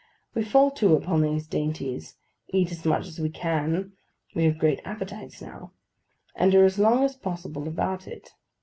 We fall to upon these dainties; eat as much as we can (we have great appetites now); and are as long as possible about it.